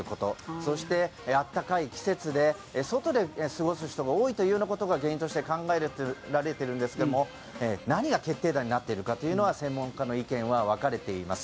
そしてあったかい季節で外で過ごす人が多いというようなことが原因として考えられているんですが何が決定打になっているかというのは専門家の意見は分かれています。